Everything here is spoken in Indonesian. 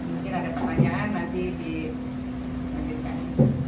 mungkin ada pertanyaan nanti dilanjutkan